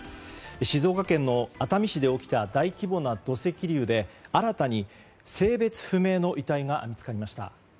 静岡県熱海市で起きた大規模な土石流で新たに性別不明の遺体が見つかりました。